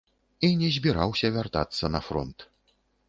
І не збіраўся вяртацца на фронт.